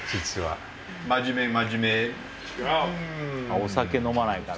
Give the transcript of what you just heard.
お酒飲まないから？